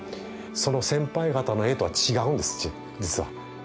その先輩方の絵とは違うんです実は。